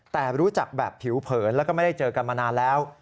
แต่รู้จักแบบผิวเผินแล้วก็ไม่ได้เจอกันมานานแล้ว